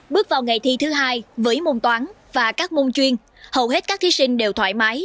bước vào ngày thi thứ hai với môn toán và các môn chuyên hầu hết các thí sinh đều thoải mái